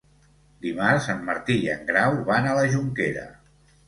Dimarts en Martí i en Grau van a la Jonquera.